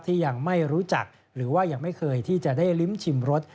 ที่ยังไม่รู้จักหรือว่ายังไม่เคยที่จะได้ลิ้มชิมรส